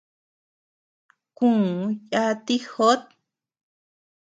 Kuu yati jót.